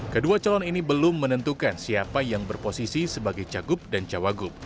kedua calon ini belum menentukan siapa yang berposisi sebagai cagup dan cawagup